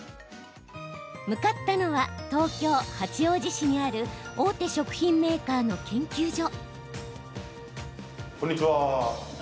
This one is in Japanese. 向かったのは東京・八王子市にある大手食品メーカーの研究所。